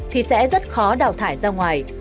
thì sẽ rất khó đào thải ra ngoài